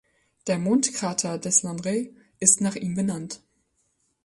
Der Mondkrater Deslandres ist nach ihm benannt.